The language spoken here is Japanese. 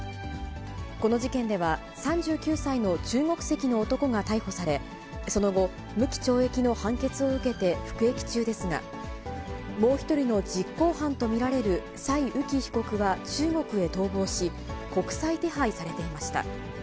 この事件では、３９歳の中国籍の男が逮捕され、その後、無期懲役の判決を受けて服役中ですが、もう１人の実行犯と見られる斉宇輝被告は中国へ逃亡し、国際手配されていました。